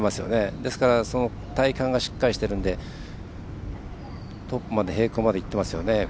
ですから体幹がしっかりしてるのでトップまで並行にいってますよね。